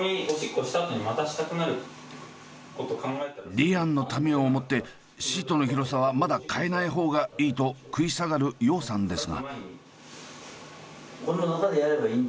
リアンのためを思ってシートの広さはまだ変えない方がいいと食い下がる葉さんですが。